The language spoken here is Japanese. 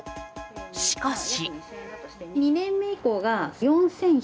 しかし。